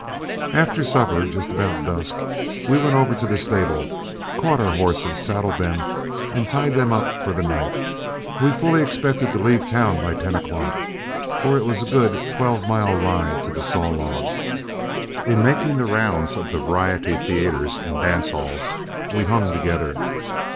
After supper, just about dusk, we went over to the stable, caught our horses, saddled them, and tied them up for the night. We fully expected to leave town by ten o'clock, for it was a good twelve mile ride to the Saw Log. In making the rounds of the variety theatres and dance halls, we hung together.